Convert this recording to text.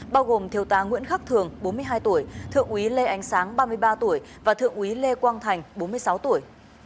bao gồm thiều tá nguyễn khắc thường bốn mươi hai tuổi thượng úy lê ánh sáng ba mươi ba tuổi và thượng úy lê quang thành bốn mươi sáu tuổi